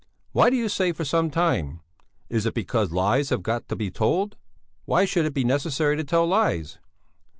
Why do you say for some time? Is it because lies have got to be told? Why should it be necessary to tell lies?"